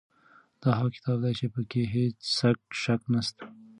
دا هغه کتاب دی چې په کې هیڅ شک نشته.